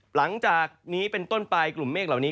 หลังจากนี้เป็นต้นไปกลุ่มเมฆเหล่านี้